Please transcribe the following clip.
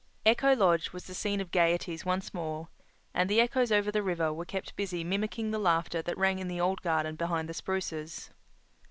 Echo Lodge was the scene of gaieties once more, and the echoes over the river were kept busy mimicking the laughter that rang in the old garden behind the spruces.